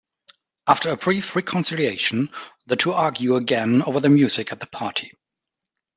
After a brief reconciliation, the two argue again over the music at the party.